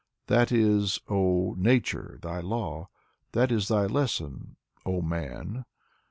That is, oh, Nature, thy law! That is thy lesson, oh, Man!